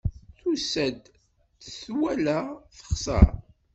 Tusa-d, twala, texṣer.